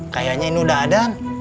kayaknya ini udah ada